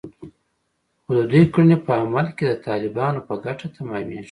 خو د دوی کړنې په عمل کې د طالبانو په ګټه تمامېږي